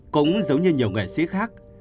cũng giống như nhiều nghệ sĩ khác